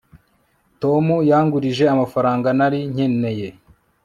tom yangurije amafaranga nari nkeneye